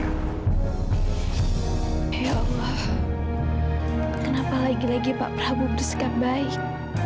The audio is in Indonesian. ya allah kenapa lagi lagi pak prabu berusaha baik